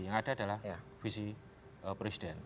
yang ada adalah visi presiden